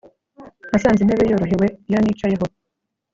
nasanze intebe yorohewe iyo nicayeho